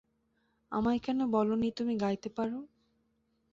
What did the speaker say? আমায় কেন বলোনি তুমি গাইতে পারো?